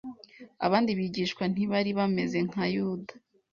Abandi bigishwa ntibari bameze nka Yuda.